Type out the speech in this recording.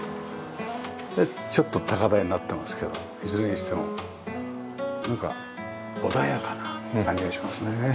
ちょっと高台になってますけどいずれにしてもなんか穏やかな感じがしますね。